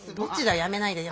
やめないで。